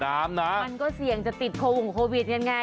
น้ำมันก็เสี่ยงจะติดโควิดกันไง